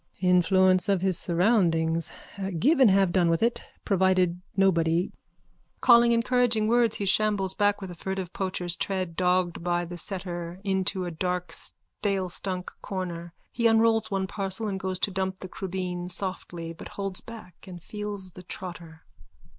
_ Influence of his surroundings. Give and have done with it. Provided nobody. _(Calling encouraging words he shambles back with a furtive poacher's tread, dogged by the setter into a dark stalestunk corner. He unrolls one parcel and goes to dump the crubeen softly but holds back and feels the trotter.)